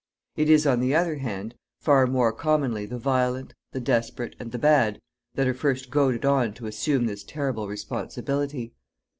It is, on the other hand, far more commonly the violent, the desperate, and the bad that are first goaded on to assume this terrible responsibility.